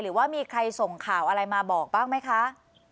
หรือว่ามีใครส่งข่าวอะไรมาบอกบ้างไหมคะ